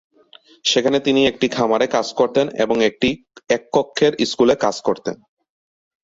সেখানে তিনি একটি খামারে কাজ করতেন এবং একটি এক কক্ষের স্কুলে কাজ করতেন।